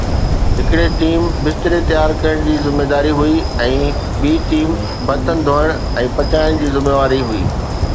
هڪڙي ٽيم بستري تيار ڪرڻ جي ذميداري هئي ۽ ٻي ٽيم برتن ڌوئڻ ۽ پچائڻ جي ذميوار هئي.